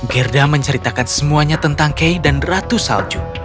gerda menceritakan semuanya tentang kay dan ratu salju